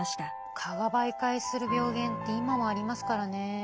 蚊が媒介する病原って今もありますからね。